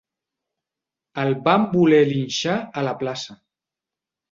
El van voler linxar a la plaça.